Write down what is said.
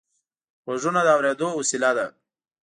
غوږونه د اورېدلو وسیله ده